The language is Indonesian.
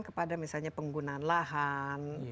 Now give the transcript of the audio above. kepada misalnya penggunaan lahan